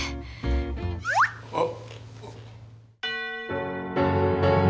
あっ。